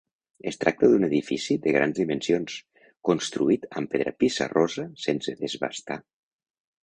Es tracta d'un edifici de grans dimensions, construït amb pedra pissarrosa sense desbastar.